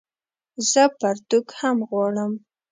زه پرتوګ هم غواړم